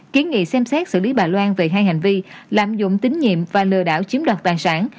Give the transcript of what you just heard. kiến nghị xem xét xử lý bà loan về hai hành vi lạm dụng tín nhiệm và lừa đảo chiếm đoạt tài sản